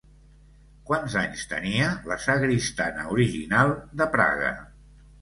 Quants anys tenia la Sagristana original de Praga?